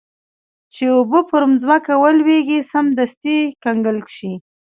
چې اوبه پر مځکه ولویږي سمدستي کنګل شي.